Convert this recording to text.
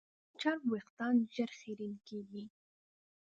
چرب وېښتيان ژر خیرن کېږي.